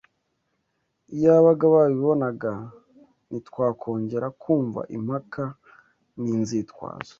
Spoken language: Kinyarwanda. Iyaba babibonaga, ntitwakongera kumva impaka n’inzitwazo